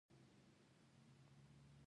انسان په خپل ژوند کې ډله ایز کار کوي.